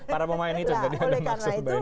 para pemain itu tadi ada maksudnya